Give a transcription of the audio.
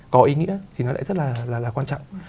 có ý nghĩa thì nó lại rất là quan trọng